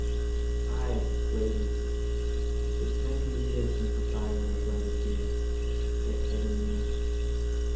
"Aye, lady, it's many a year since a fire was lighted here," said Caterina.